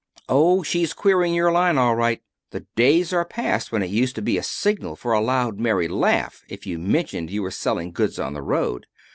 Oh, she's queering your line, all right. The days are past when it used to be a signal for a loud, merry laugh if you mentioned you were selling goods on the road.